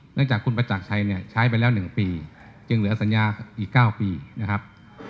จากคุณประจักรชัยเนี่ยใช้ไปแล้ว๑ปีจึงเหลือสัญญาอีก๙ปีนะครับ